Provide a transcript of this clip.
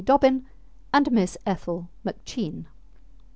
Dobbin, and Miss Ethel McCheane.